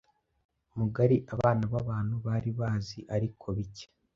mugariAbana babantu bari bazi ariko bike